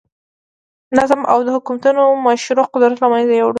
نظم او د حکومتونو مشروع قدرت له منځه یووړل.